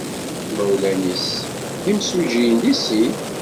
Imawlan-nnes d imsujjiyen deg sin.